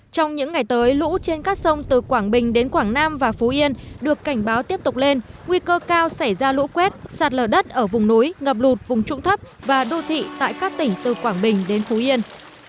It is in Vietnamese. trong những ngày tới lũ trên các sông từ quảng bình đến quảng nam và phú yên được cảnh báo tiếp tục lên nguy cơ cao xảy ra lũ quét sạt lở đất ở vùng núi ngập lụt vùng trụng thấp và đô thị tại các tỉnh từ quảng bình đến phú yên